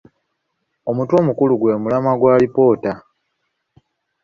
Omutwe omukulu, gwe mulamwa gw'alipoota.